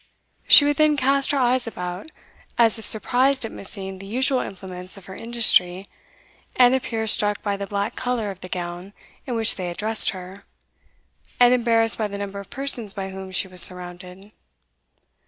She would then cast her eyes about, as if surprised at missing the usual implements of her industry, and appear struck by the black colour of the gown in which they had dressed her, and embarrassed by the number of persons by whom she was surrounded.